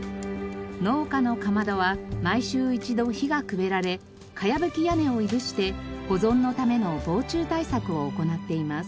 農家のかまどは毎週一度火がくべられ茅葺屋根を燻して保存のための防虫対策を行っています。